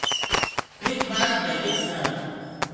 یک مرد و یک زن